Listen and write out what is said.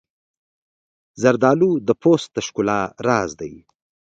زردالو د پوست د ښکلا راز دی.